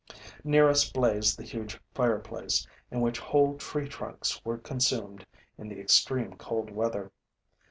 Near us blazed the huge fireplace, in which whole tree trunks were consumed in the extreme cold weather.